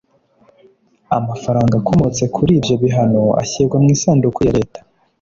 amafaranga akomotse kuri ibyo bihano ashyirwa mi isanduku ya leta